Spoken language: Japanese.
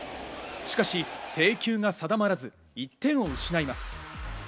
しかし制球が定まらず、１点を失います。